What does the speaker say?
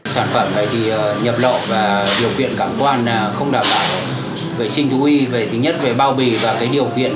sản phẩm này thì nhập lậu và điều kiện cảm quan là không đảm bảo vệ sinh thú y